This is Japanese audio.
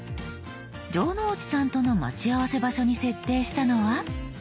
城之内さんとの待ち合わせ場所に設定したのは。